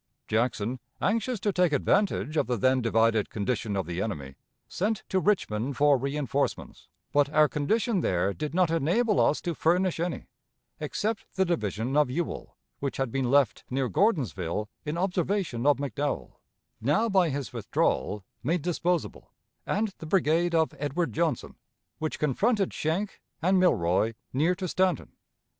Jackson, anxious to take advantage of the then divided condition of the enemy, sent to Richmond for reënforcements, but our condition there did not enable us to furnish any, except the division of Ewell, which had been left near Gordonsville in observation of McDowell, now by his withdrawal made disposable, and the brigade of Edward Johnson, which confronted Schenck and Milroy near to Staunton.